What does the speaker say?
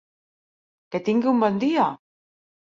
Que tingui un bon dia!